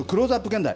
現代。